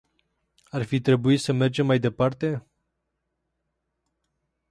Ar fi trebuit să mergem mai departe?